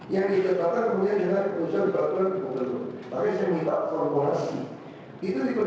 yang menentukan siapa